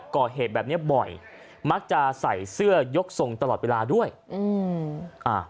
ก่อเหตุแบบเนี้ยบ่อยมักจะใส่เสื้อยกทรงตลอดเวลาด้วยอืมอ่า